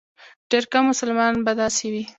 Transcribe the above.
ډېر کم مسلمانان به داسې وي.